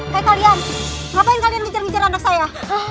hey kalian ngapain kalian ngejar ngejar anak saya